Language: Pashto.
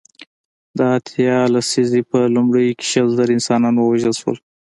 د اتیا لسیزې په لومړیو کې شل زره انسانان ووژل شول.